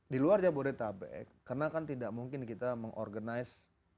di luar jabodetabek karena kan tidak mungkin kita mengorganize